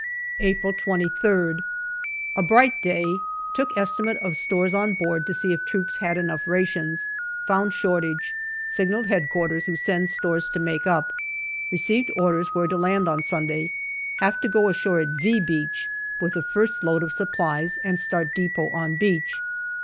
April 23rd. A bright day. Took estimate of stores on board to see if troops had enough rations. Found shortage ; sig nalled Headquarters, who send stores to make up. Received orders where to land on Sunday. Have to go ashore at "V" Beach with the first load of supplies and start depot on beach.